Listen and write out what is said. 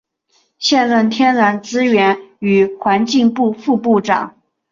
现任天然资源与环境部副部长。